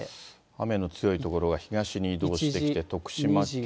雨の強い所は東に移動してきて、徳島県、